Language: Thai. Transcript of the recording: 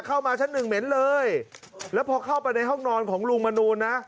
เข้ามาชั้นหนึ่งเหม็นเลยแล้วพอเข้าไปในห้องนอนของลุงมนูลนะ